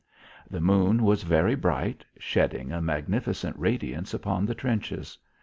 The moon was very bright, shedding a magnificent radiance upon the trenches.